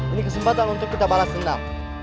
ini kesempatan untuk kita balas dendam